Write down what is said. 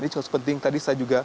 ini juga penting